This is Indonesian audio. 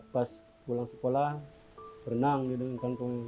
pas pulang sekolah berenang di dalam kampungnya itu